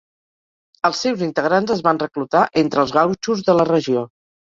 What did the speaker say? Els seus integrants es van reclutar entre els gautxos de la regió.